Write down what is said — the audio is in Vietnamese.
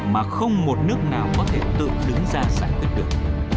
mà không một nước nào có thể tự đứng ra giải quyết được